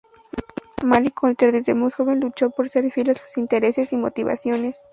Mary Colter desde muy joven luchó por ser fiel a sus intereses y motivaciones.